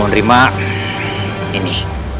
pokoknya gue ini